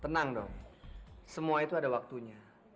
tenang dong semua itu ada waktunya